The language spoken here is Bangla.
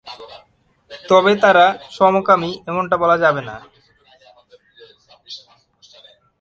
তবে তারা সমকামী এমনটা বলা যাবে না।